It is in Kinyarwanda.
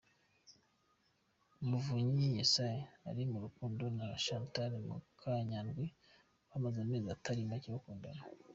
Muvunyi Yesaya ari mu rukundo na Chantal Mukanyandwi bamaze amezi atari macye bakundana.